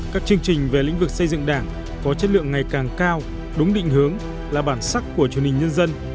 các chương trình về lĩnh vực xây dựng đảng có chất lượng ngày càng cao đúng định hướng là bản sắc của truyền hình nhân dân